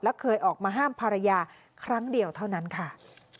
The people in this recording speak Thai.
และเคยออกมาห้ามภรรยาครั้งเดียวเท่านั้นค่ะ